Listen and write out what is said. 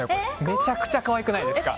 めちゃくちゃ可愛くないですか。